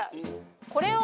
これを。